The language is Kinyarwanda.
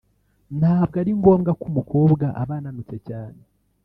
ntabwo ari ngombwa ko umukobwa aba ananutse cyane